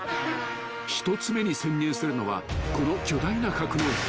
［１つ目に潜入するのはこの巨大な格納庫］